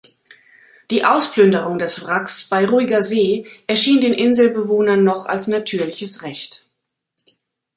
Die Ausplünderung des Wracks bei ruhiger See erschien den Inselbewohnern noch als natürliches Recht.